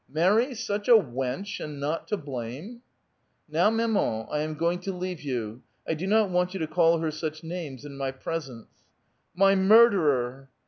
'' Marry such a wench, and not to blame !"" Now, maman^ 1 am going to leave you. I do not want you to call her such names in my presence." " My murderer!